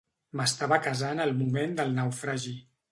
M'estava casant al moment del naufragi.